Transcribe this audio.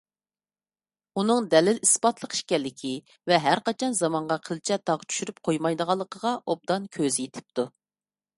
ئۇنىڭ دەلىل - ئىسپاتلىق ئىكەنلىكى ۋە ھەرقاچان زامانغا قىلچە داغ چۈشۈرۈپ قويمايدىغانلىقىغا ئوبدان كۆزى يېتىپتۇ.